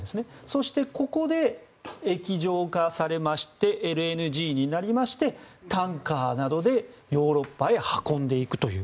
そして、ここで液状化されましてＬＮＧになりましてタンカーなどでヨーロッパへ運んでいくという。